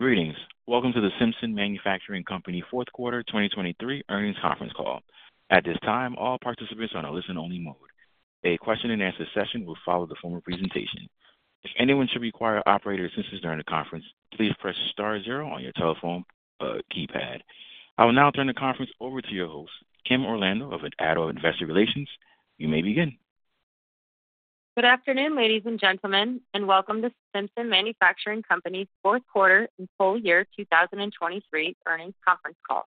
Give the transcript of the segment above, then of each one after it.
Greetings. Welcome to the Simpson Manufacturing Company Fourth Quarter 2023 Earnings Conference Call. At this time, all participants are on a listen-only mode. A question-and-answer session will follow the formal presentation. If anyone should require operator assistance during the conference, please press star zero on your telephone keypad. I will now turn the conference over to your host, Kim Orlando of ADDO Investor Relations. You may begin. Good afternoon, ladies and gentlemen, and welcome to Simpson Manufacturing Company's fourth quarter and full year 2023 earnings conference call.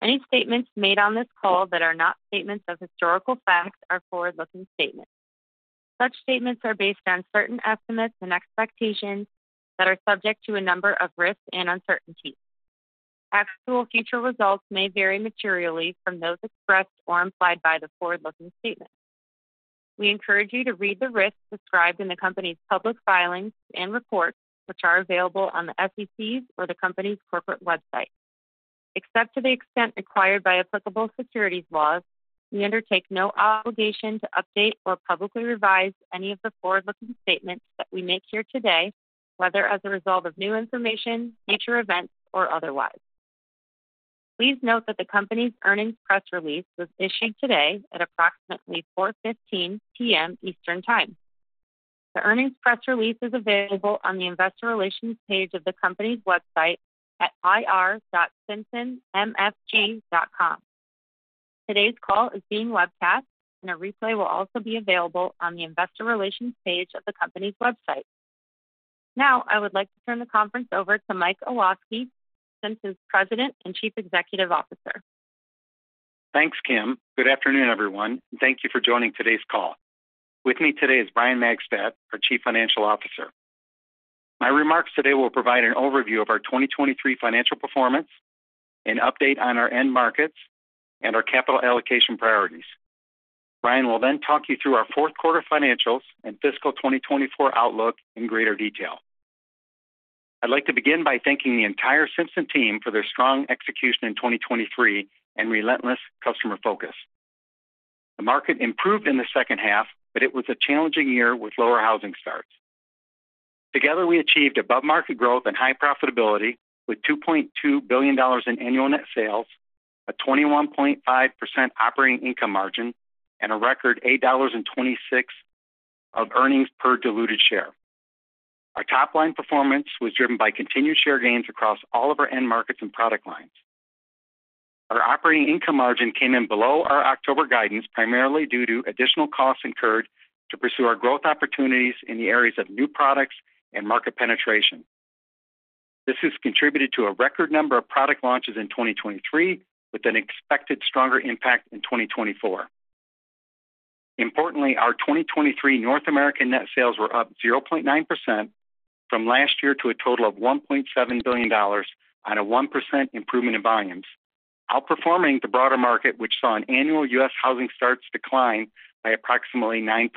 Any statements made on this call that are not statements of historical fact are forward-looking statements. Such statements are based on certain estimates and expectations that are subject to a number of risks and uncertainties. Actual future results may vary materially from those expressed or implied by the forward-looking statement. We encourage you to read the risks described in the company's public filings and reports, which are available on the SEC's or the company's corporate website. Except to the extent required by applicable securities laws, we undertake no obligation to update or publicly revise any of the forward-looking statements that we make here today, whether as a result of new information, future events, or otherwise. Please note that the company's earnings press release was issued today at approximately 4:15 P.M. Eastern Time. The earnings press release is available on the investor relations page of the company's website at ir.simpsonmfg.com. Today's call is being webcast, and a replay will also be available on the investor relations page of the company's website. Now, I would like to turn the conference over to Mike Olosky, Simpson's President and Chief Executive Officer. Thanks, Kim. Good afternoon, everyone, and thank you for joining today's call. With me today is Brian Magstadt, our Chief Financial Officer. My remarks today will provide an overview of our 2023 financial performance, an update on our end markets, and our capital allocation priorities. Brian will then talk you through our fourth quarter financials and fiscal 2024 outlook in greater detail. I'd like to begin by thanking the entire Simpson team for their strong execution in 2023 and relentless customer focus. The market improved in the second half, but it was a challenging year with lower housing starts. Together, we achieved above-market growth and high profitability, with $2.2 billion in annual net sales, a 21.5% operating income margin, and a record $8.26 of earnings per diluted share. Our top-line performance was driven by continued share gains across all of our end markets and product lines. Our operating income margin came in below our October guidance, primarily due to additional costs incurred to pursue our growth opportunities in the areas of new products and market penetration. This has contributed to a record number of product launches in 2023, with an expected stronger impact in 2024. Importantly, our 2023 North American net sales were up 0.9% from last year to a total of $1.7 billion on a 1% improvement in volumes, outperforming the broader market, which saw an annual U.S. housing starts decline by approximately 9%.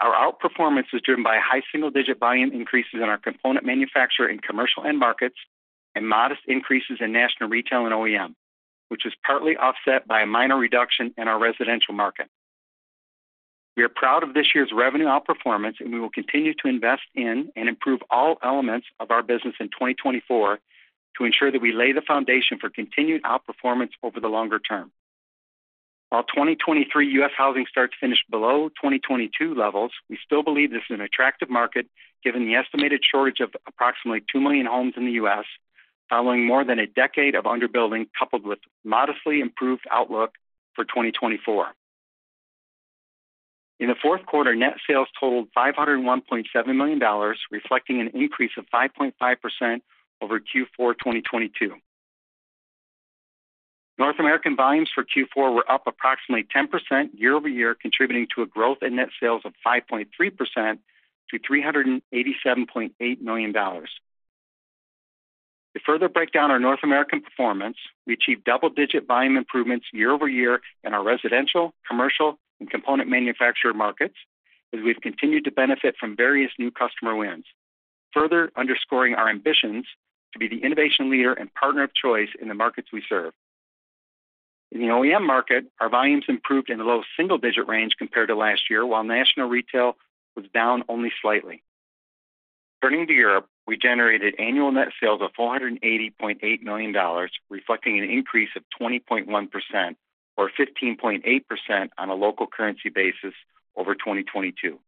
Our outperformance was driven by high single-digit volume increases in our component manufacturer and commercial end markets and modest increases in national retail and OEM, which was partly offset by a minor reduction in our residential market. We are proud of this year's revenue outperformance, and we will continue to invest in and improve all elements of our business in 2024 to ensure that we lay the foundation for continued outperformance over the longer term. While 2023 U.S. housing starts finished below 2022 levels, we still believe this is an attractive market, given the estimated shortage of approximately 2 million homes in the U.S., following more than a decade of underbuilding, coupled with modestly improved outlook for 2024. In the fourth quarter, net sales totaled $501.7 million, reflecting an increase of 5.5% over Q4 2022. North American volumes for Q4 were up approximately 10% year-over-year, contributing to a growth in net sales of 5.3% to $387.8 million. To further break down our North American performance, we achieved double-digit volume improvements year-over-year in our residential, commercial, and component manufacturer markets, as we've continued to benefit from various new customer wins, further underscoring our ambitions to be the innovation leader and partner of choice in the markets we serve. In the OEM market, our volumes improved in the low double-digit range compared to last year, while national retail was down only slightly. Turning to Europe, we generated annual net sales of $480.8 million, reflecting an increase of 20.1% or 15.8% on a local currency basis over 2022.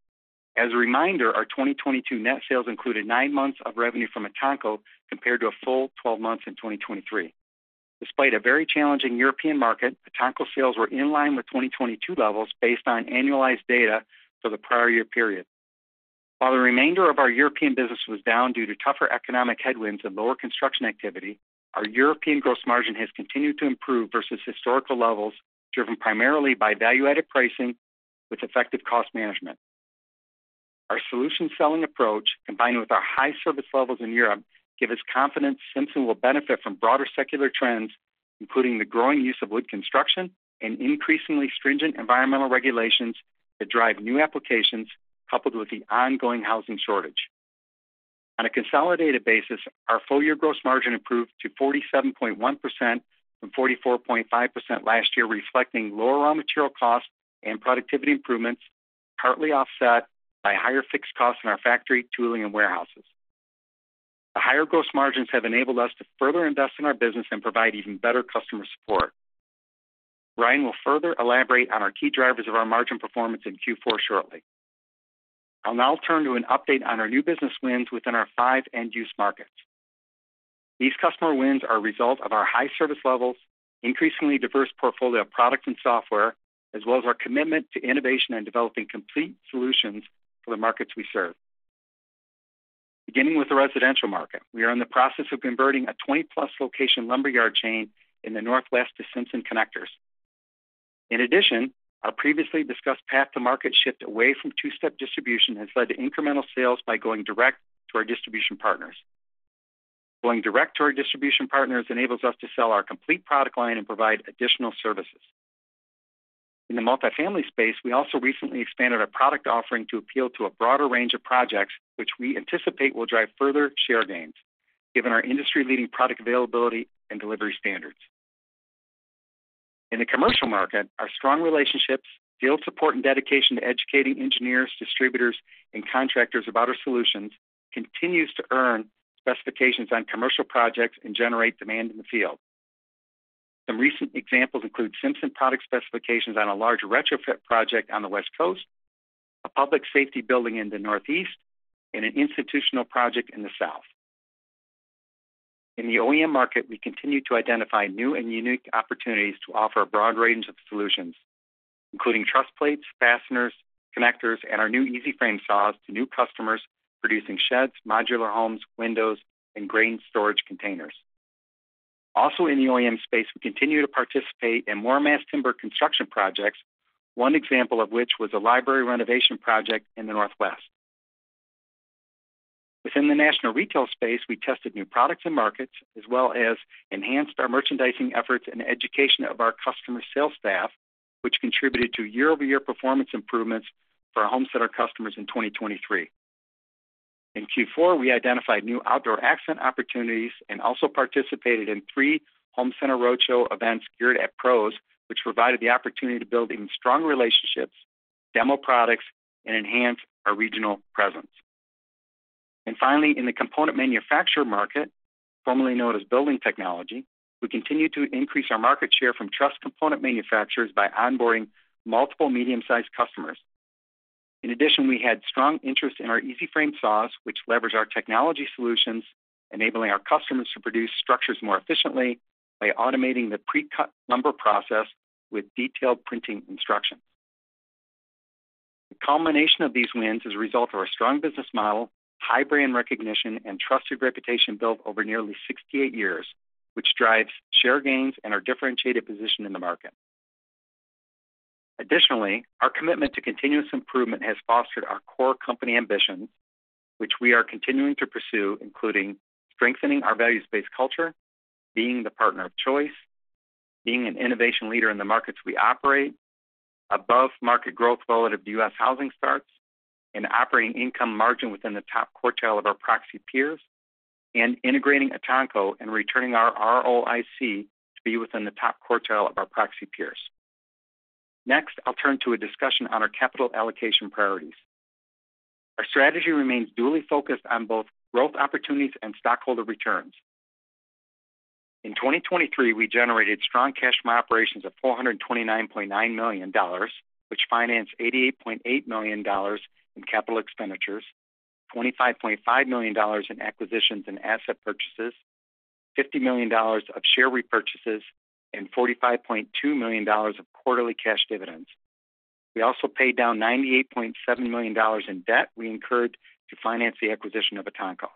As a reminder, our 2022 net sales included nine months of revenue from Etanco compared to a full 12 months in 2023. Despite a very challenging European market, Etanco sales were in line with 2022 levels based on annualized data for the prior year period. While the remainder of our European business was down due to tougher economic headwinds and lower construction activity, our European gross margin has continued to improve versus historical levels, driven primarily by value-added pricing with effective cost management. Our solution selling approach, combined with our high service levels in Europe, give us confidence Simpson will benefit from broader secular trends, including the growing use of wood construction and increasingly stringent environmental regulations that drive new applications, coupled with the ongoing housing shortage. On a consolidated basis, our full-year gross margin improved to 47.1% from 44.5% last year, reflecting lower raw material costs and productivity improvements, partly offset by higher fixed costs in our factory, tooling, and warehouses. The higher gross margins have enabled us to further invest in our business and provide even better customer support. Brian will further elaborate on our key drivers of our margin performance in Q4 shortly. I'll now turn to an update on our new business wins within our five end-use markets. These customer wins are a result of our high service levels, increasingly diverse portfolio of products and software, as well as our commitment to innovation and developing complete solutions for the markets we serve. Beginning with the residential market, we are in the process of converting a 20+ location lumberyard chain in the Northwest to Simpson connectors. In addition, our previously discussed path to market shift away from two-step distribution has led to incremental sales by going direct to our distribution partners. Going direct to our distribution partners enables us to sell our complete product line and provide additional services. In the multifamily space, we also recently expanded our product offering to appeal to a broader range of projects, which we anticipate will drive further share gains, given our industry-leading product availability and delivery standards. In the commercial market, our strong relationships, field support, and dedication to educating engineers, distributors, and contractors about our solutions continues to earn specifications on commercial projects and generate demand in the field. Some recent examples include Simpson product specifications on a large retrofit project on the West Coast, a public safety building in the Northeast, and an institutional project in the South. In the OEM market, we continue to identify new and unique opportunities to offer a broad range of solutions, including truss plates, fasteners, connectors, and our new EasyFrame saws to new customers producing sheds, modular homes, windows, and grain storage containers. Also, in the OEM space, we continue to participate in more mass timber construction projects, one example of which was a library renovation project in the Northwest. Within the national retail space, we tested new products and markets, as well as enhanced our merchandising efforts and education of our customer sales staff, which contributed to year-over-year performance improvements for our home center customers in 2023. In Q4, we identified new Outdoor Accents opportunities and also participated in three home center roadshow events geared at pros, which provided the opportunity to build even strong relationships, demo products, and enhance our regional presence. Finally, in the component manufacturer market, formerly known as building technology, we continued to increase our market share from truss component manufacturers by onboarding multiple medium-sized customers. In addition, we had strong interest in our EasyFrame saws, which leverage our technology solutions, enabling our customers to produce structures more efficiently by automating the pre-cut lumber process with detailed printing instructions. The combination of these wins is a result of our strong business model, high brand recognition, and trusted reputation built over nearly 68 years, which drives share gains and our differentiated position in the market. Additionally, our commitment to continuous improvement has fostered our core company ambitions, which we are continuing to pursue, including strengthening our values-based culture, being the partner of choice, being an innovation leader in the markets we operate, above market growth relative to U.S. housing starts, an operating income margin within the top quartile of our proxy peers, and integrating Etanco and returning our ROIC to be within the top quartile of our proxy peers. Next, I'll turn to a discussion on our capital allocation priorities. Our strategy remains duly focused on both growth opportunities and stockholder returns. In 2023, we generated strong cash from operations of $429.9 million, which financed $88.8 million in capital expenditures, $25.5 million in acquisitions and asset purchases, $50 million of share repurchases, and $45.2 million of quarterly cash dividends. We also paid down $98.7 million in debt we incurred to finance the acquisition of Etanco.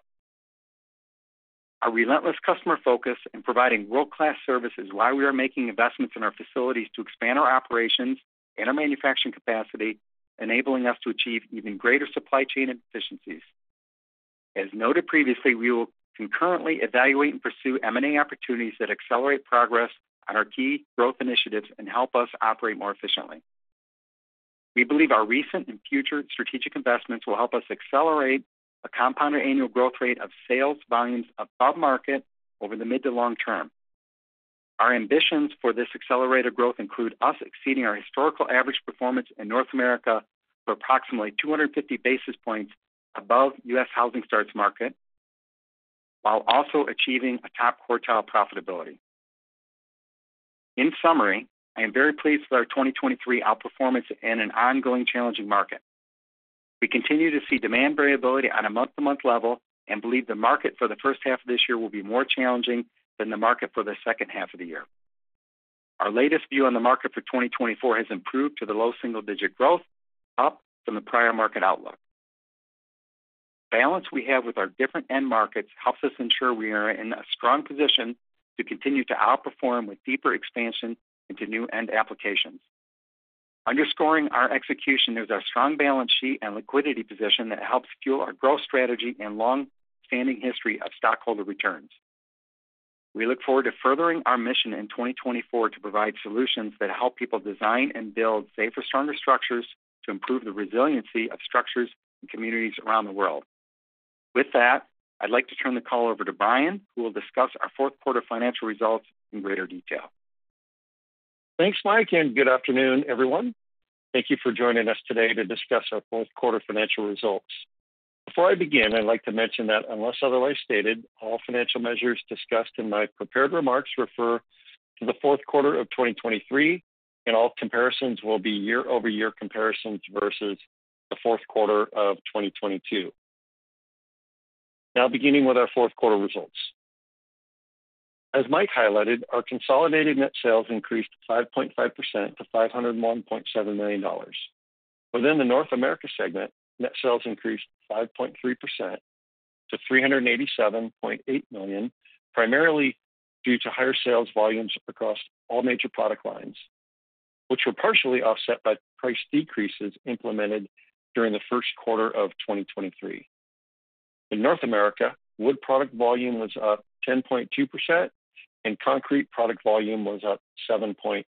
Our relentless customer focus in providing world-class service is why we are making investments in our facilities to expand our operations and our manufacturing capacity, enabling us to achieve even greater supply chain efficiencies. As noted previously, we will concurrently evaluate and pursue M&A opportunities that accelerate progress on our key growth initiatives and help us operate more efficiently. We believe our recent and future strategic investments will help us accelerate a compounded annual growth rate of sales volumes above market over the mid- to long-term. Our ambitions for this accelerated growth include us exceeding our historical average performance in North America for approximately 250 basis points above U.S. housing starts market, while also achieving a top quartile profitability. In summary, I am very pleased with our 2023 outperformance in an ongoing challenging market. We continue to see demand variability on a month-to-month level and believe the market for the first half of this year will be more challenging than the market for the second half of the year. Our latest view on the market for 2024 has improved to the low single-digit growth, up from the prior market outlook. Balance we have with our different end markets helps us ensure we are in a strong position to continue to outperform with deeper expansion into new end applications. Underscoring our execution is our strong balance sheet and liquidity position that helps fuel our growth strategy and long-standing history of stockholder returns. We look forward to furthering our mission in 2024 to provide solutions that help people design and build safer, stronger structures to improve the resiliency of structures and communities around the world.... With that, I'd like to turn the call over to Brian, who will discuss our fourth quarter financial results in greater detail. Thanks, Mike, and good afternoon, everyone. Thank you for joining us today to discuss our fourth quarter financial results. Before I begin, I'd like to mention that unless otherwise stated, all financial measures discussed in my prepared remarks refer to the fourth quarter of 2023, and all comparisons will be year-over-year comparisons versus the fourth quarter of 2022. Now, beginning with our fourth quarter results. As Mike highlighted, our consolidated net sales increased 5.5% to $501.7 million. Within the North America segment, net sales increased 5.3% to $387.8 million, primarily due to higher sales volumes across all major product lines, which were partially offset by price decreases implemented during the first quarter of 2023. In North America, wood product volume was up 10.2%, and concrete product volume was up 7.5%.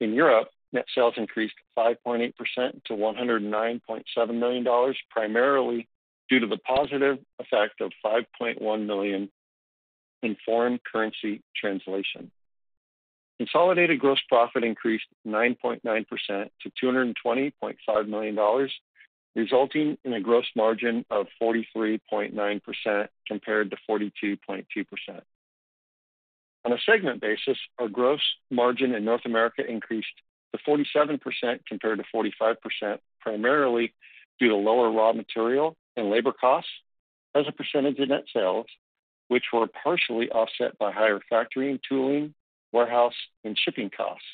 In Europe, net sales increased 5.8% to $109.7 million, primarily due to the positive effect of $5.1 million in foreign currency translation. Consolidated gross profit increased 9.9% to $220.5 million, resulting in a gross margin of 43.9% compared to 42.2%. On a segment basis, our gross margin in North America increased to 47% compared to 45%, primarily due to lower raw material and labor costs as a percentage of net sales, which were partially offset by higher factory and tooling, warehouse, and shipping costs.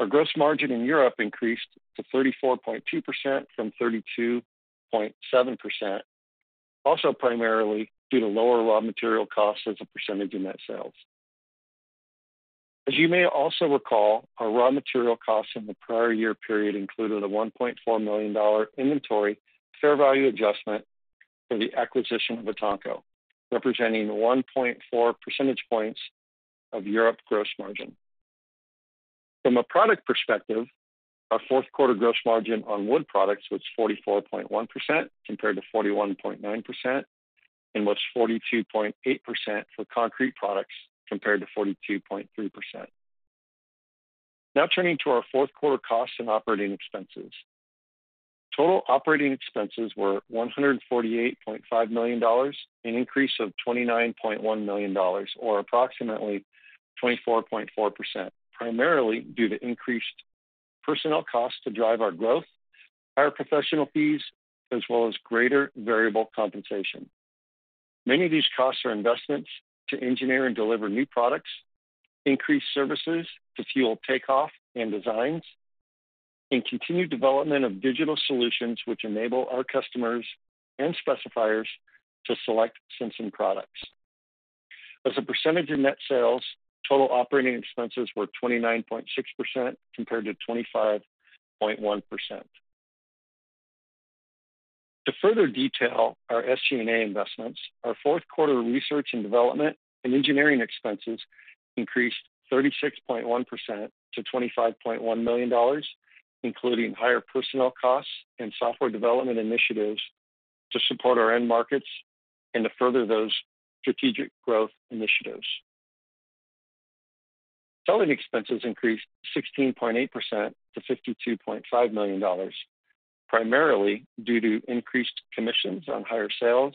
Our gross margin in Europe increased to 34.2% from 32.7%, also primarily due to lower raw material costs as a percentage of net sales. As you may also recall, our raw material costs in the prior year period included a $1.4 million inventory fair value adjustment for the acquisition of Etanco, representing 1.4 percentage points of Europe gross margin. From a product perspective, our fourth quarter gross margin on wood products was 44.1% compared to 41.9%, and was 42.8% for concrete products compared to 42.3%. Now turning to our fourth quarter costs and operating expenses. Total operating expenses were $148.5 million, an increase of $29.1 million or approximately 24.4%, primarily due to increased personnel costs to drive our growth, higher professional fees, as well as greater variable compensation. Many of these costs are investments to engineer and deliver new products, increase services to fuel takeoff and designs, and continued development of digital solutions, which enable our customers and specifiers to select Simpson products. As a percentage of net sales, total operating expenses were 29.6% compared to 25.1%. To further detail our SG&A investments, our fourth quarter research and development and engineering expenses increased 36.1% to $25.1 million, including higher personnel costs and software development initiatives to support our end markets and to further those strategic growth initiatives. Selling expenses increased 16.8% to $52.5 million, primarily due to increased commissions on higher sales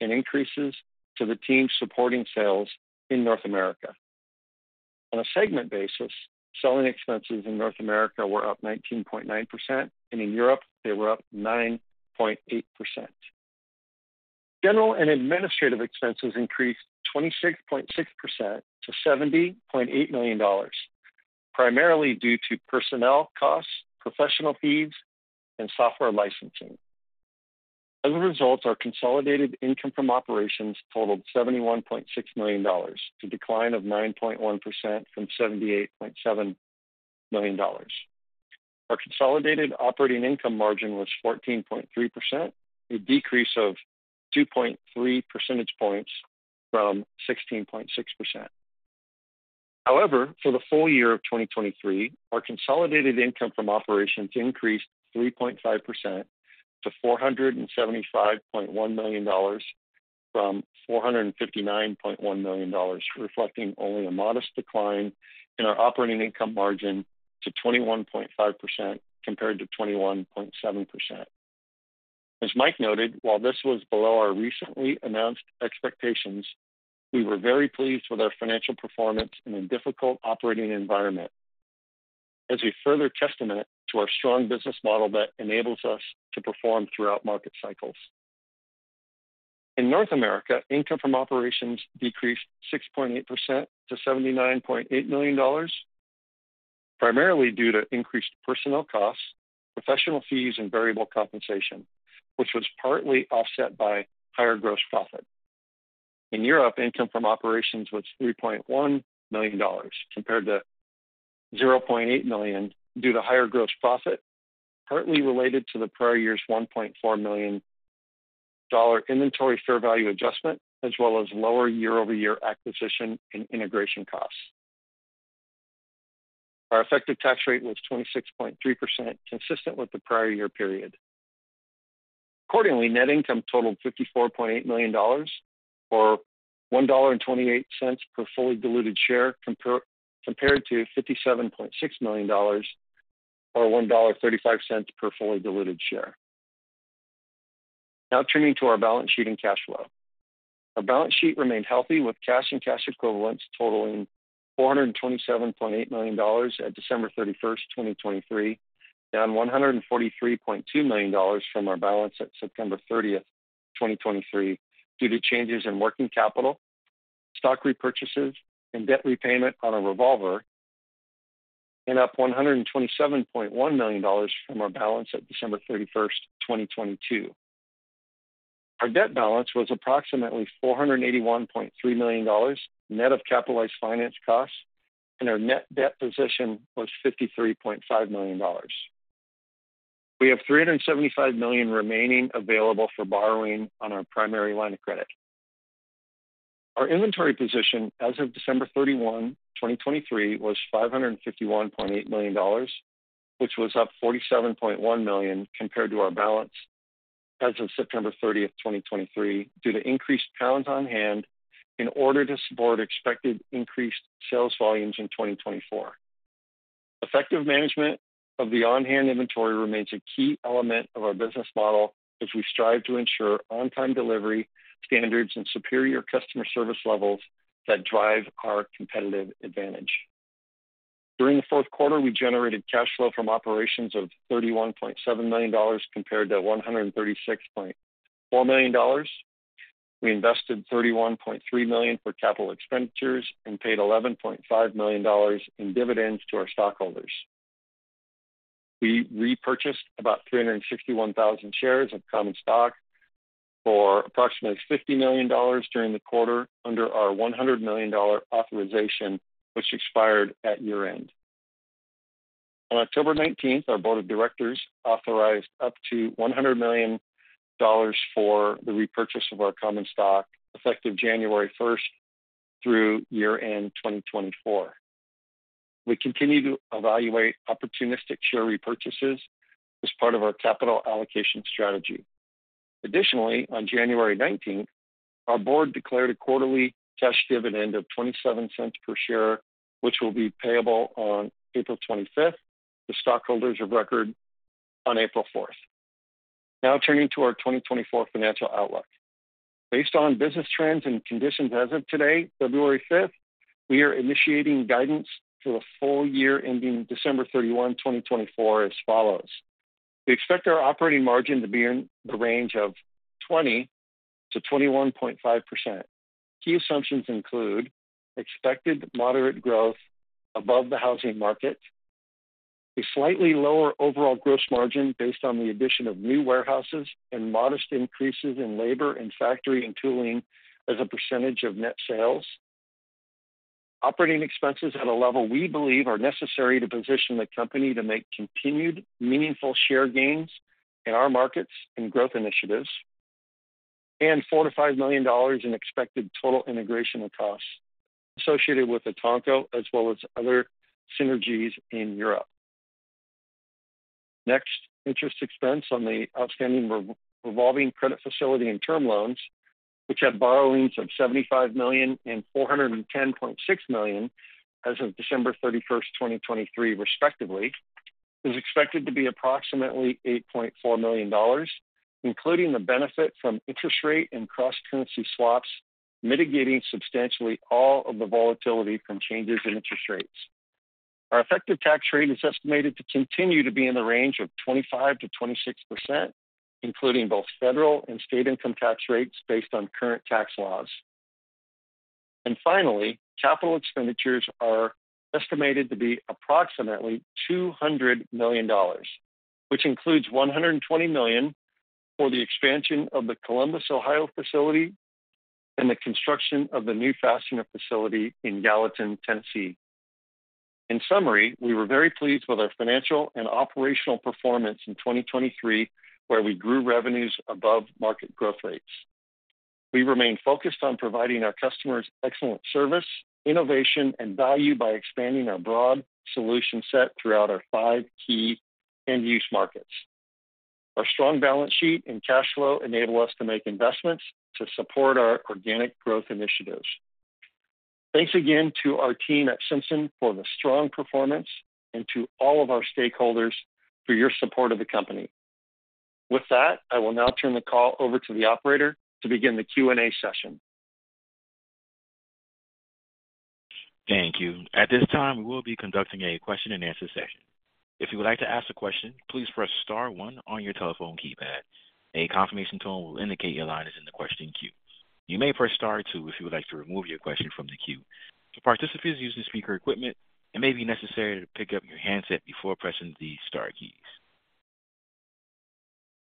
and increases to the team supporting sales in North America. On a segment basis, selling expenses in North America were up 19.9%, and in Europe, they were up 9.8%. General and administrative expenses increased 26.6% to $70.8 million, primarily due to personnel costs, professional fees, and software licensing. As a result, our consolidated income from operations totaled $71.6 million, a decline of 9.1% from $78.7 million. Our consolidated operating income margin was 14.3%, a decrease of 2.3 percentage points from 16.6%. However, for the full year of 2023, our consolidated income from operations increased 3.5% to $475.1 million from $459.1 million, reflecting only a modest decline in our operating income margin to 21.5% compared to 21.7%. As Mike noted, while this was below our recently announced expectations, we were very pleased with our financial performance in a difficult operating environment as a further testament to our strong business model that enables us to perform throughout market cycles. In North America, income from operations decreased 6.8% to $79.8 million, primarily due to increased personnel costs, professional fees, and variable compensation, which was partly offset by higher gross profit. In Europe, income from operations was $3.1 million compared to $0.8 million due to higher gross profit, partly related to the prior year's $1.4 million inventory fair value adjustment, as well as lower year-over-year acquisition and integration costs. Our effective tax rate was 26.3%, consistent with the prior year period. Accordingly, net income totaled $54.8 million, or $1.28 per fully diluted share, compared to $57.6 million, or $1.35 per fully diluted share. Now turning to our balance sheet and cash flow. Our balance sheet remained healthy, with cash and cash equivalents totaling $427.8 million at December 31, 2023, down $143.2 million from our balance at September 30, 2023, due to changes in working capital, stock repurchases, and debt repayment on a revolver, and up $127.1 million from our balance at December 31, 2022. Our debt balance was approximately $481.3 million net of capitalized finance costs, and our net debt position was $53.5 million. We have $375 million remaining available for borrowing on our primary line of credit. Our inventory position as of December 31, 2023, was $551.8 million, which was up $47.1 million compared to our balance as of September 30, 2023, due to increased pounds on hand in order to support expected increased sales volumes in 2024. Effective management of the on-hand inventory remains a key element of our business model as we strive to ensure on-time delivery standards and superior customer service levels that drive our competitive advantage. During the fourth quarter, we generated cash flow from operations of $31.7 million compared to $136.4 million. We invested $31.3 million for capital expenditures and paid $11.5 million in dividends to our stockholders. We repurchased about 361,000 shares of common stock for approximately $50 million during the quarter under our $100 million authorization, which expired at year-end. On October 19, our board of directors authorized up to $100 million for the repurchase of our common stock, effective January 1 through year-end, 2024. We continue to evaluate opportunistic share repurchases as part of our capital allocation strategy. Additionally, on January 19, our board declared a quarterly cash dividend of $0.27 per share, which will be payable on April 25, to stockholders of record on April 4. Now turning to our 2024 financial outlook. Based on business trends and conditions as of today, February 5, we are initiating guidance for the full year ending December 31, 2024, as follows: We expect our operating margin to be in the range of 20%-21.5%. Key assumptions include expected moderate growth above the housing market, a slightly lower overall gross margin based on the addition of new warehouses, and modest increases in labor and factory and tooling as a percentage of net sales. Operating expenses at a level we believe are necessary to position the company to make continued meaningful share gains in our markets and growth initiatives, and $4 million-$5 million in expected total integration costs associated with Etanco, as well as other synergies in Europe. Next, interest expense on the outstanding revolving credit facility and term loans, which had borrowings of $75 million and $410.6 million as of December 31, 2023, respectively, is expected to be approximately $8.4 million, including the benefit from interest rate and cross-currency swaps, mitigating substantially all of the volatility from changes in interest rates. Our effective tax rate is estimated to continue to be in the range of 25%-26%, including both federal and state income tax rates based on current tax laws. Finally, capital expenditures are estimated to be approximately $200 million, which includes $120 million for the expansion of the Columbus, Ohio, facility and the construction of the new fastener facility in Gallatin, Tennessee. In summary, we were very pleased with our financial and operational performance in 2023, where we grew revenues above market growth rates. We remain focused on providing our customers excellent service, innovation, and value by expanding our broad solution set throughout our five key end-use markets. Our strong balance sheet and cash flow enable us to make investments to support our organic growth initiatives. Thanks again to our team at Simpson for the strong performance and to all of our stakeholders for your support of the company. With that, I will now turn the call over to the operator to begin the Q&A session. Thank you. At this time, we will be conducting a question-and-answer session. If you would like to ask a question, please press star one on your telephone keypad. A confirmation tone will indicate your line is in the question queue. You may press star two if you would like to remove your question from the queue. For participants using speaker equipment, it may be necessary to pick up your handset before pressing the star keys.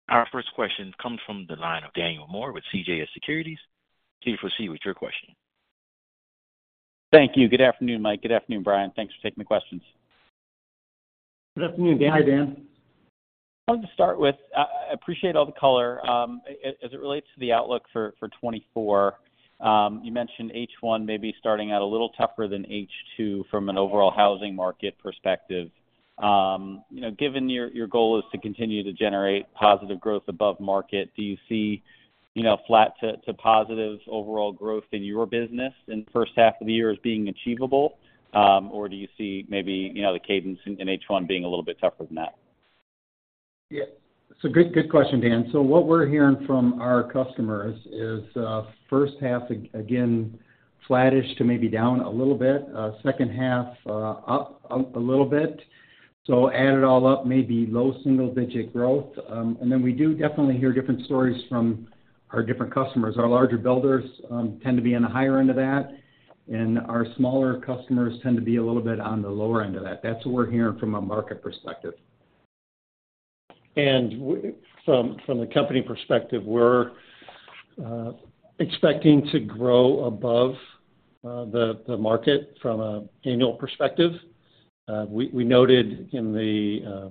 Our first question comes from the line of Daniel Moore with CJS Securities. Please proceed with your question. Thank you. Good afternoon, Mike. Good afternoon, Brian. Thanks for taking the questions.... Good afternoon, Dan. Hi, Dan. I wanted to start with, I appreciate all the color. As it relates to the outlook for 2024, you mentioned H1 may be starting out a little tougher than H2 from an overall housing market perspective. You know, given your goal is to continue to generate positive growth above market, do you see, you know, flat to positive overall growth in your business in the first half of the year as being achievable? Or do you see maybe, you know, the cadence in H1 being a little bit tougher than that? Yeah. So good, good question, Dan. So what we're hearing from our customers is, first half, again, flattish to maybe down a little bit, second half, up, up a little bit. So add it all up, maybe low single-digit growth. And then we do definitely hear different stories from our different customers. Our larger builders tend to be on the higher end of that, and our smaller customers tend to be a little bit on the lower end of that. That's what we're hearing from a market perspective. From the company perspective, we're expecting to grow above the market from an annual perspective. We noted in the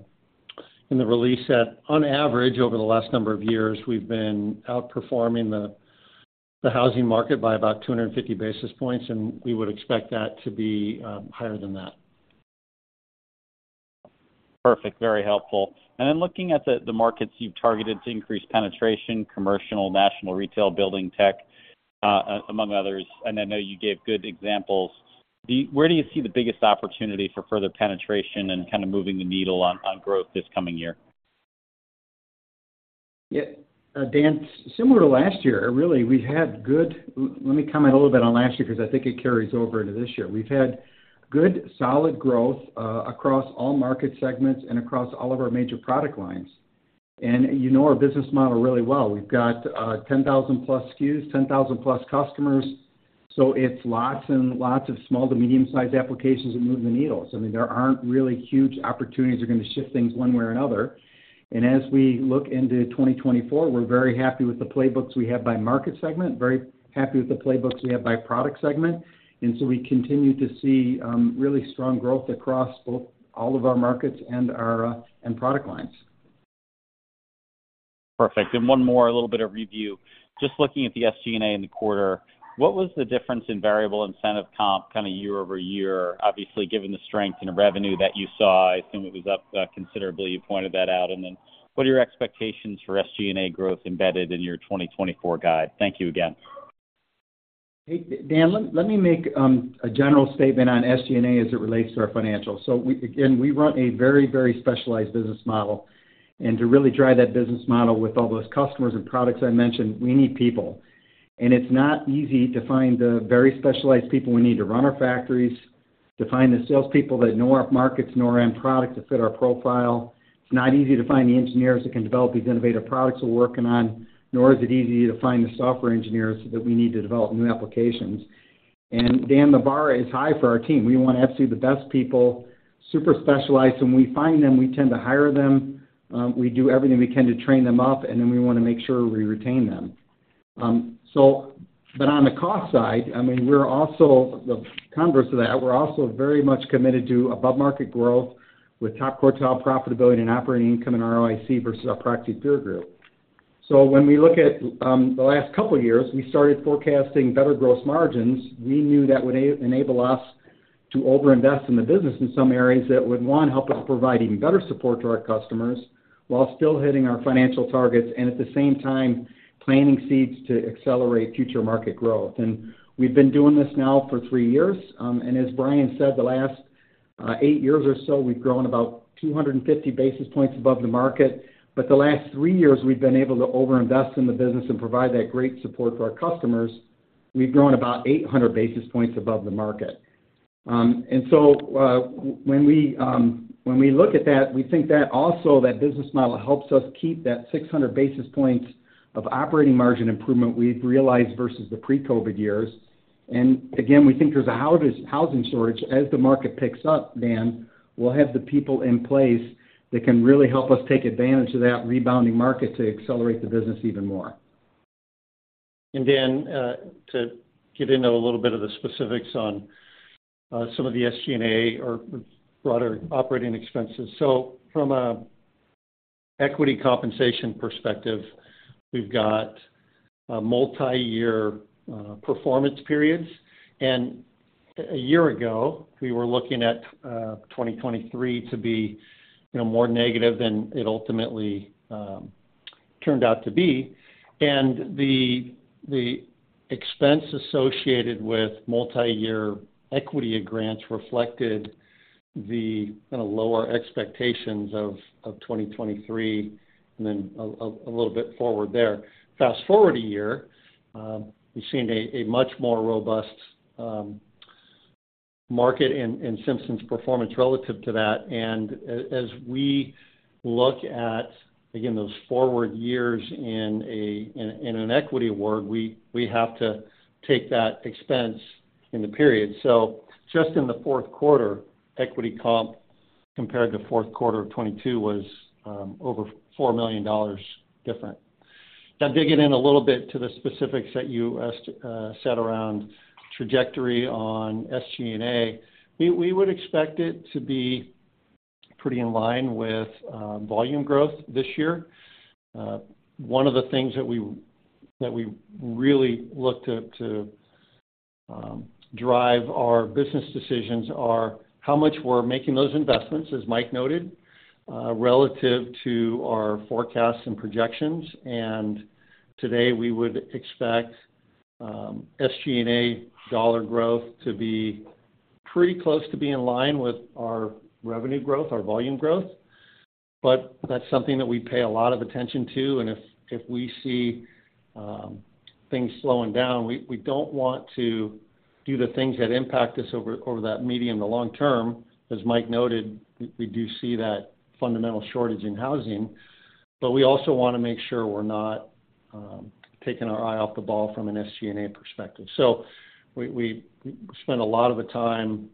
release that on average, over the last number of years, we've been outperforming the housing market by about 250 basis points, and we would expect that to be higher than that. Perfect. Very helpful. And then looking at the markets you've targeted to increase penetration, commercial, national retail, building tech, among others, and I know you gave good examples. Where do you see the biggest opportunity for further penetration and kind of moving the needle on growth this coming year? Yeah, Dan, similar to last year, really, we've had good. Let me comment a little bit on last year, because I think it carries over into this year. We've had good, solid growth across all market segments and across all of our major product lines. And you know our business model really well. We've got 10,000 plus SKUs, 10,000 plus customers, so it's lots and lots of small to medium-sized applications that move the needles. I mean, there aren't really huge opportunities that are going to shift things one way or another. And as we look into 2024, we're very happy with the playbooks we have by market segment, very happy with the playbooks we have by product segment, and so we continue to see really strong growth across both all of our markets and our and product lines. Perfect. And one more, a little bit of review. Just looking at the SG&A in the quarter, what was the difference in variable incentive comp kind of year-over- year? Obviously, given the strength in the revenue that you saw, I assume it was up considerably. You pointed that out. And then, what are your expectations for SG&A growth embedded in your 2024 guide? Thank you again. Hey, Dan, let me make a general statement on SG&A as it relates to our financials. So, again, we run a very, very specialized business model, and to really drive that business model with all those customers and products I mentioned, we need people. And it's not easy to find the very specialized people we need to run our factories, to find the salespeople that know our markets, know our end product, to fit our profile. It's not easy to find the engineers that can develop these innovative products we're working on, nor is it easy to find the software engineers that we need to develop new applications. And Dan, the bar is high for our team. We want absolutely the best people, super specialized. When we find them, we tend to hire them, we do everything we can to train them up, and then we want to make sure we retain them. So, but on the cost side, I mean, we're also... the converse of that, we're also very much committed to above-market growth with top quartile profitability and operating income and ROIC versus our proxy peer group. So when we look at, the last couple of years, we started forecasting better gross margins. We knew that would enable us to over-invest in the business in some areas that would, one, help us provide even better support to our customers, while still hitting our financial targets, and at the same time, planting seeds to accelerate future market growth. We've been doing this now for three years. And as Brian said, the last eight years or so, we've grown about 250 basis points above the market. But the last three years, we've been able to over-invest in the business and provide that great support to our customers. We've grown about 800 basis points above the market. And so, when we look at that, we think that also, that business model helps us keep that 600 basis points of operating margin improvement we've realized versus the pre-COVID years. And again, we think there's a housing shortage. As the market picks up, Dan, we'll have the people in place that can really help us take advantage of that rebounding market to accelerate the business even more. And Dan, to get into a little bit of the specifics on some of the SG&A or broader operating expenses. So from an equity compensation perspective, we've got a multiyear performance periods. And a year ago, we were looking at 2023 to be, you know, more negative than it ultimately turned out to be. And the expense associated with multiyear equity grants reflected the kind of lower expectations of 2023, and then a little bit forward there. Fast-forward a year, we've seen a much more robust market in Simpson's performance relative to that. And as we look at, again, those forward years in an equity award, we have to take that expense in the period. So just in the fourth quarter, equity comp compared to fourth quarter of 2022, was over $4 million different. Now digging in a little bit to the specifics that you set around trajectory on SG&A, we would expect it to be pretty in line with volume growth this year. One of the things that we really look to drive our business decisions are how much we're making those investments, as Mike noted, relative to our forecasts and projections. And today, we would expect SG&A dollar growth to be pretty close to be in line with our revenue growth, our volume growth. But that's something that we pay a lot of attention to, and if we see things slowing down, we don't want to do the things that impact us over that medium to long term. As Mike noted, we do see that fundamental shortage in housing, but we also wanna make sure we're not taking our eye off the ball from an SG&A perspective. So we spend a lot of the time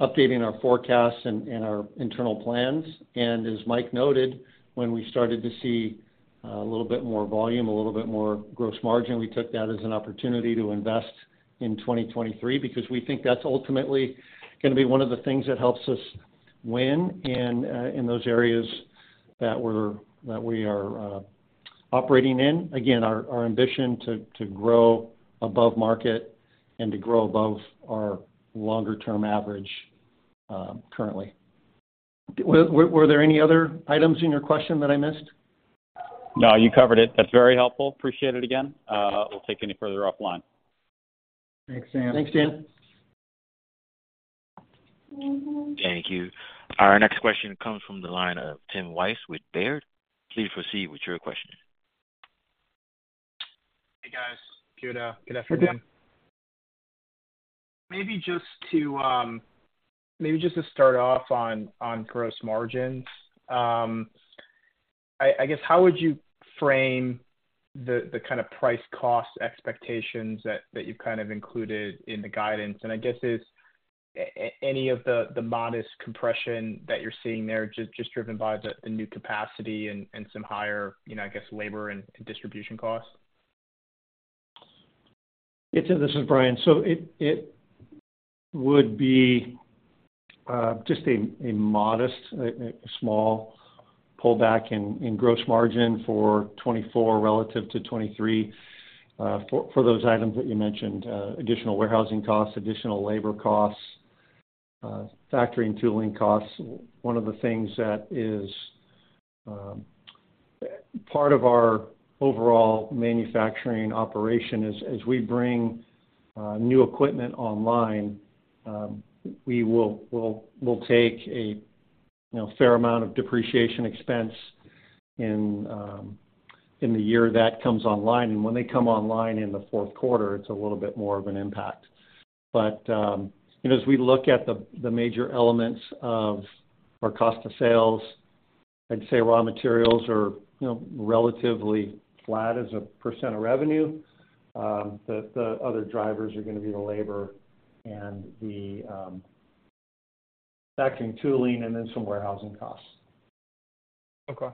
updating our forecasts and our internal plans. And as Mike noted, when we started to see a little bit more volume, a little bit more gross margin, we took that as an opportunity to invest in 2023, because we think that's ultimately gonna be one of the things that helps us win in those areas that we're that we are operating in. Again, our ambition to grow above market and to grow above our longer-term average currently. Were there any other items in your question that I missed? No, you covered it. That's very helpful. Appreciate it again. We'll take any further offline. Thanks, Dan. Thanks, Dan. Thank you. Our next question comes from the line of Tim Wojs with Baird. Please proceed with your question. Hey, guys. Good afternoon. Maybe just to start off on gross margins. I guess, how would you frame the kind of price cost expectations that you've kind of included in the guidance? And I guess, is any of the modest compression that you're seeing there just driven by the new capacity and some higher, you know, I guess, labor and distribution costs? This is Brian. So it would be just a modest small pullback in gross margin for 2024 relative to 2023, for those items that you mentioned. Additional warehousing costs, additional labor costs, factory and tooling costs. One of the things that is part of our overall manufacturing operation is as we bring new equipment online, we will take a, you know, fair amount of depreciation expense in the year that comes online. And when they come online in the fourth quarter, it's a little bit more of an impact. But, you know, as we look at the major elements of our cost of sales, I'd say raw materials are, you know, relatively flat as a percentage of revenue. The other drivers are gonna be the labor and the factory tooling, and then some warehousing costs. Okay.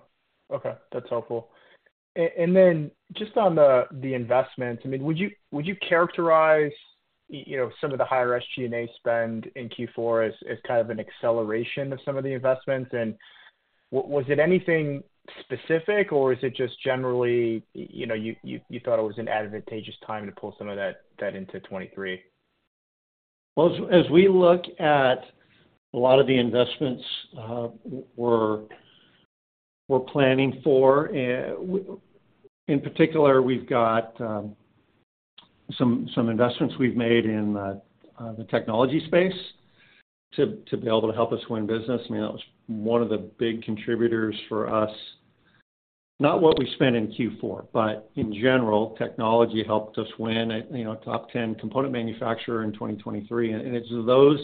Okay, that's helpful. And then just on the investments, I mean, would you characterize, you know, some of the higher SG&A spend in Q4 as kind of an acceleration of some of the investments? And was it anything specific, or is it just generally, you know, you thought it was an advantageous time to pull some of that into 2023? Well, as we look at a lot of the investments, we're planning for, in particular, we've got some investments we've made in the technology space to be able to help us win business. I mean, that was one of the big contributors for us. Not what we spent in Q4, but in general, technology helped us win, you know, top 10 component manufacturer in 2023. And it's those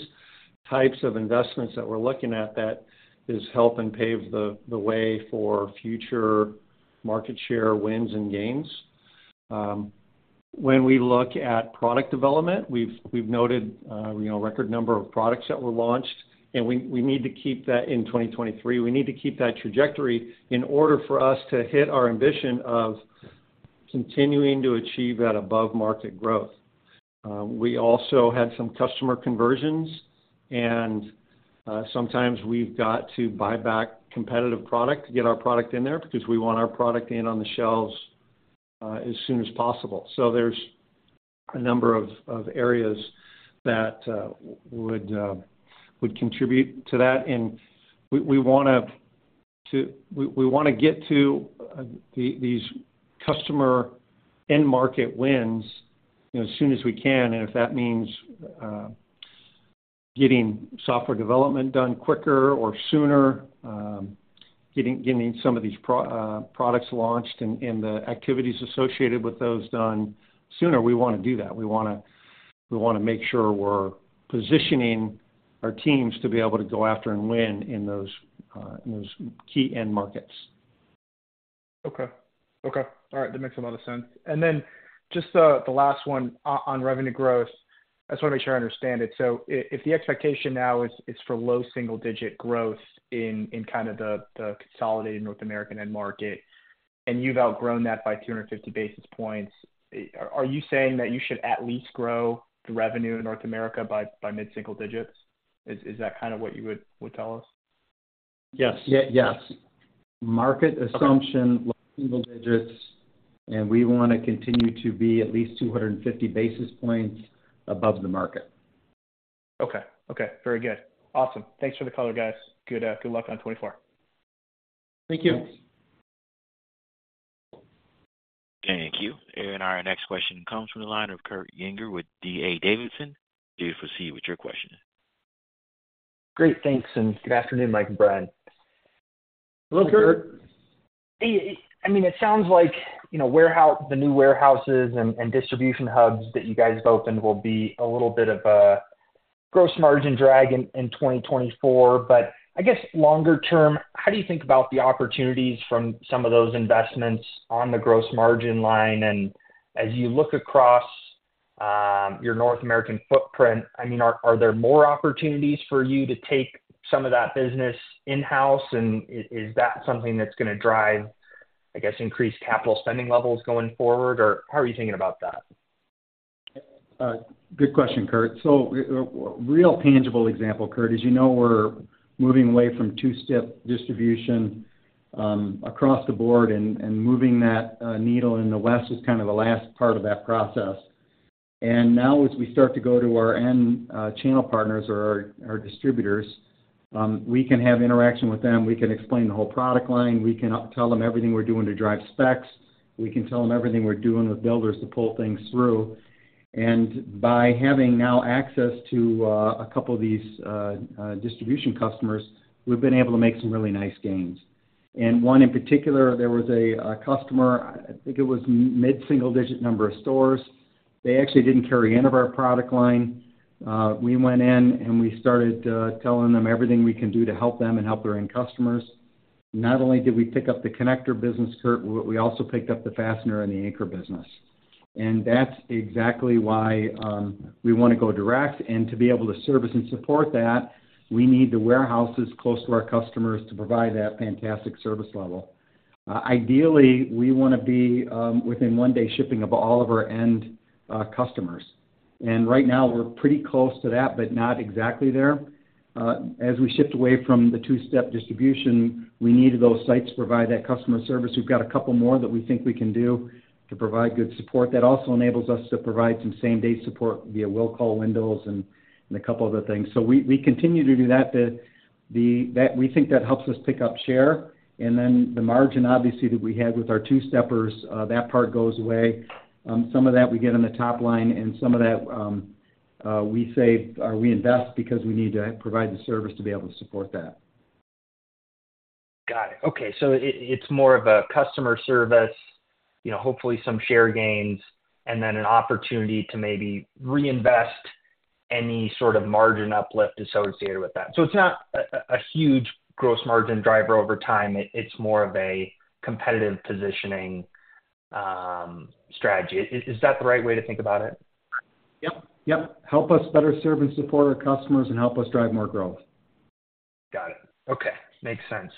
types of investments that we're looking at that is helping pave the way for future market share wins and gains. When we look at product development, we've noted, you know, record number of products that were launched, and we need to keep that in 2023. We need to keep that trajectory in order for us to hit our ambition of continuing to achieve that above-market growth. We also had some customer conversions, and sometimes we've got to buy back competitive product to get our product in there, because we want our product in on the shelves as soon as possible. So there's a number of areas that would contribute to that. And we wanna get to these customer end-market wins, you know, as soon as we can. And if that means getting software development done quicker or sooner, getting some of these products launched and the activities associated with those done sooner, we wanna do that. We wanna, we wanna make sure we're positioning our teams to be able to go after and win in those, in those key end markets. Okay. Okay, all right. That makes a lot of sense. And then just the last one on revenue growth. I just want to make sure I understand it. So if the expectation now is for low single-digit growth in kind of the consolidated North American end market, and you've outgrown that by 250 basis points, are you saying that you should at least grow the revenue in North America by mid-single digits? Is that kind of what you would tell us? Yes. Yes. Market assumption, Okay. Low single digits, and we want to continue to be at least 250 basis points above the market. Okay. Okay, very good. Awesome. Thanks for the color, guys. Good, good luck on 2024. Thank you. Thanks. Thank you. Our next question comes from the line of Kurt Yinger with D.A. Davidson. Please proceed with your question. Great, thanks, and good afternoon, Mike and Brian. Hello, Kurt. Hello. I mean, it sounds like, you know, the new warehouses and distribution hubs that you guys opened will be a little bit of a gross margin drag in 2024. But I guess longer term, how do you think about the opportunities from some of those investments on the gross margin line? And as you look across your North American footprint, I mean, are there more opportunities for you to take some of that business in-house, and is that something that's going to drive, I guess, increased capital spending levels going forward? Or how are you thinking about that? Good question, Kurt. So, real tangible example, Kurt, as you know, we're moving away from two-step distribution, across the board, and moving that needle in the west is kind of the last part of that process. And now, as we start to go to our end channel partners or our distributors, we can have interaction with them. We can explain the whole product line. We can tell them everything we're doing to drive specs. We can tell them everything we're doing with builders to pull things through. And by having now access to a couple of these distribution customers, we've been able to make some really nice gains. And one in particular, there was a customer, I think it was mid-single digit number of stores. They actually didn't carry any of our product line. We went in, and we started telling them everything we can do to help them and help their end customers. Not only did we pick up the connector business, Kurt, but we also picked up the fastener and the anchor business. That's exactly why we want to go direct. To be able to service and support that, we need the warehouses close to our customers to provide that fantastic service level. Ideally, we want to be within one-day shipping of all of our end customers. Right now, we're pretty close to that, but not exactly there. As we shift away from the two-step distribution, we need those sites to provide that customer service. We've got a couple more that we think we can do to provide good support. That also enables us to provide some same-day support via will call windows and a couple other things. So we continue to do that. That, we think that helps us pick up share. And then the margin, obviously, that we had with our two-steppers, that part goes away. Some of that we get on the top line, and some of that we save or we invest because we need to provide the service to be able to support that. Got it. Okay, so it's more of a customer service, you know, hopefully some share gains, and then an opportunity to maybe reinvest any sort of margin uplift associated with that. So it's not a huge gross margin driver over time. It's more of a competitive positioning strategy. Is that the right way to think about it? Yep. Yep. Help us better serve and support our customers and help us drive more growth. Got it. Okay, makes sense.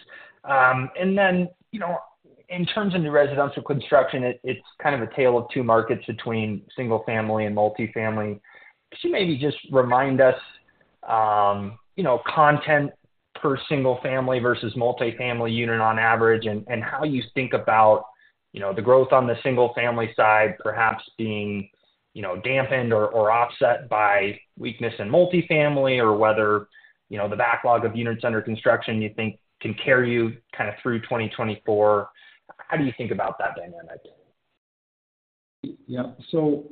And then, you know, in terms of the residential construction, it's kind of a tale of two markets between single-family and multifamily. Could you maybe just remind us, you know, content per single-family versus multifamily unit on average, and how you think about, you know, the growth on the single-family side perhaps being, you know, dampened or offset by weakness in multifamily, or whether, you know, the backlog of units under construction you think can carry you kind of through 2024? How do you think about that dynamic? Yeah. So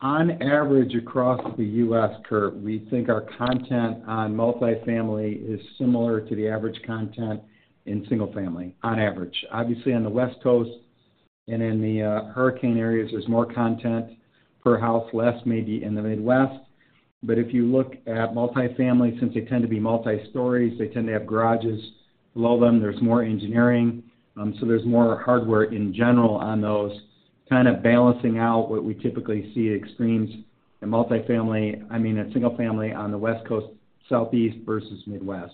on average, across the U.S., Kurt, we think our content on multifamily is similar to the average content in single family, on average. Obviously, on the West Coast and in the hurricane areas, there's more content per house, less maybe in the Midwest. But if you look at multifamily, since they tend to be multi-stories, they tend to have garages below them. There's more engineering, so there's more hardware in general on those, kind of balancing out what we typically see extremes in multifamily, I mean, in single family on the West Coast, Southeast versus Midwest.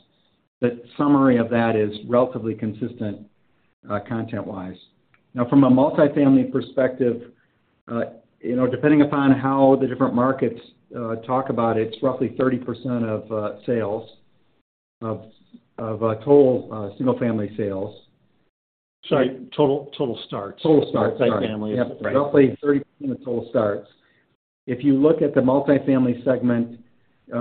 The summary of that is relatively consistent, content-wise. Now, from a multifamily perspective, you know, depending upon how the different markets talk about it, it's roughly 30% of sales of total single family sales. Sorry, total starts. Total starts. Multifamily. Yep, roughly 30% of total starts. If you look at the multifamily segment,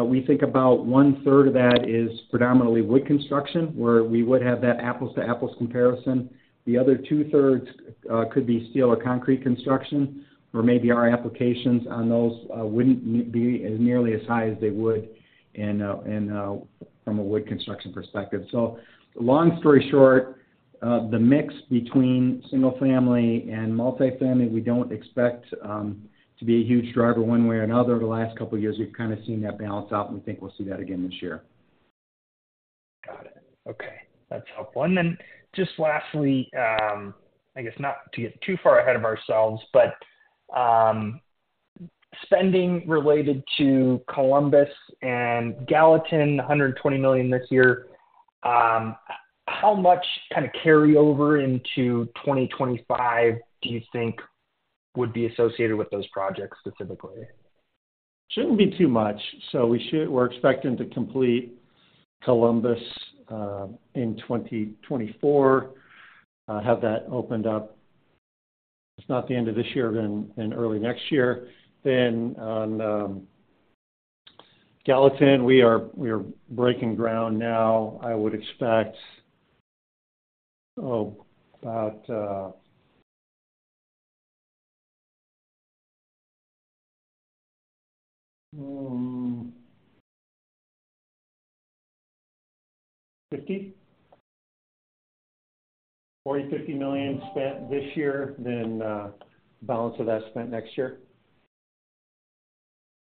we think about one third of that is predominantly wood construction, where we would have that apples-to-apples comparison. The other two-thirds could be steel or concrete construction, where maybe our applications on those wouldn't be as nearly as high as they would in, in, from a wood construction perspective. So long story short, the mix between single family and multifamily, we don't expect to be a huge driver one way or another. Over the last couple of years, we've kind of seen that balance out, and we think we'll see that again this year. Okay, that's helpful. And then just lastly, I guess not to get too far ahead of ourselves, but, spending related to Columbus and Gallatin, $120 million this year, how much kind of carryover into 2025 do you think would be associated with those projects specifically? Shouldn't be too much. So we should. We're expecting to complete Columbus in 2024. Have that opened up, if not the end of this year, then, then early next year. Then on Gallatin, we are, we are breaking ground now. I would expect, oh, about $40 million-$50 million spent this year, then balance of that spent next year.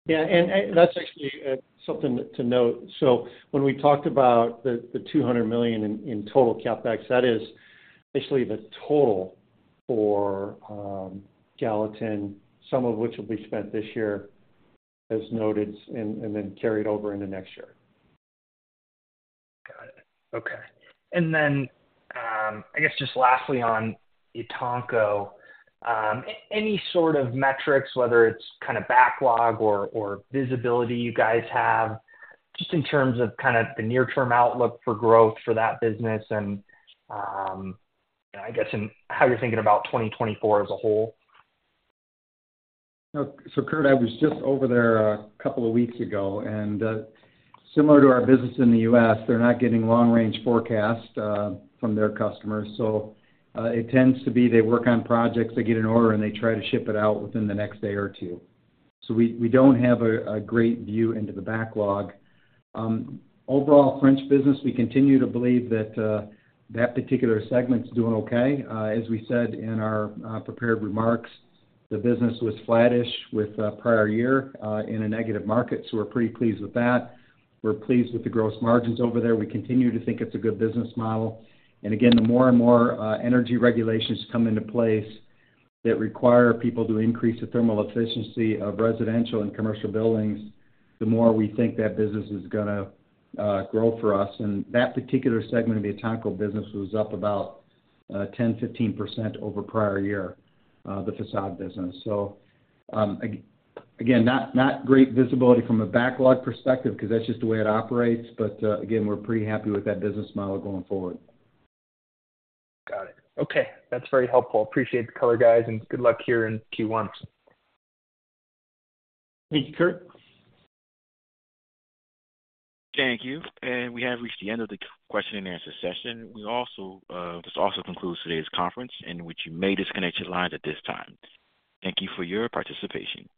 Yeah, and, and that's actually something to note. So when we talked about the, the $200 million in total CapEx, that is actually the total for Gallatin, some of which will be spent this year, as noted, and, and then carried over into next year. Got it. Okay. And then, I guess just lastly on Etanco, any sort of metrics, whether it's kind of backlog or visibility you guys have, just in terms of kind of the near-term outlook for growth for that business and, I guess, in how you're thinking about 2024 as a whole? So, Kurt, I was just over there a couple of weeks ago, and similar to our business in the U.S., they're not getting long-range forecast from their customers. So, it tends to be they work on projects, they get an order, and they try to ship it out within the next day or two. So we don't have a great view into the backlog. Overall, French business, we continue to believe that that particular segment is doing okay. As we said in our prepared remarks, the business was flattish with prior year in a negative market, so we're pretty pleased with that. We're pleased with the gross margins over there. We continue to think it's a good business model. And again, the more and more, energy regulations come into place that require people to increase the thermal efficiency of residential and commercial buildings, the more we think that business is gonna, grow for us. And that particular segment of the Etanco business was up about, 10-15% over prior year, the facade business. So, again, not, not great visibility from a backlog perspective, because that's just the way it operates. But, again, we're pretty happy with that business model going forward. Got it. Okay, that's very helpful. Appreciate the color, guys, and good luck here in Q1. Thank you, Kurt. Thank you. And we have reached the end of the question and answer session. We also, this also concludes today's conference in which you may disconnect your lines at this time. Thank you for your participation.